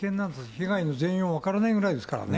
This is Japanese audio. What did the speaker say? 被害の全容分からないぐらいですからね。